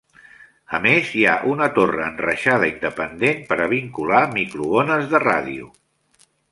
A més, hi ha una torre enreixada independent per a vincular microones de ràdio.